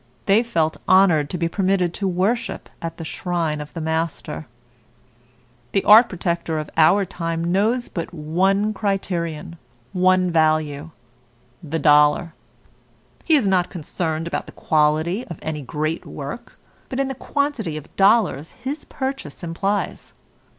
They felt honored to be permitted to worship at the shrine of the master. The art protector of our time knows but one criterion, one value, the dollar. He is not concerned about the quality of any great work, but in the quantity of dollars his purchase implies.